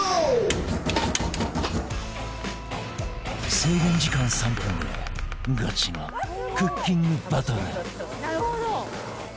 制限時間３分でガチのクッキングバトル